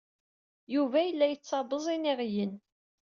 Yuba yella yettabeẓ iniɣiyen.